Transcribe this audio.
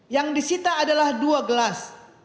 yang disita adalah dua gelas